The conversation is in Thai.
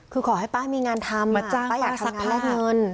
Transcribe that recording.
คือขอให้ป้ามีงานทำป้าอยากซักแลกเงิน